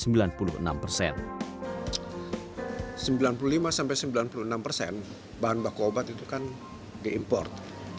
bahan baku obat itu kan diimport